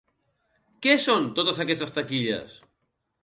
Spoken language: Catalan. Què són, totes aquestes taquilles?